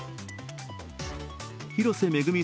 広瀬めぐみ